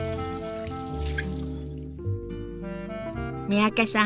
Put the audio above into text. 三宅さん